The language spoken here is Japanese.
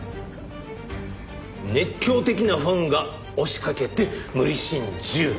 熱狂的なファンが押しかけて無理心中。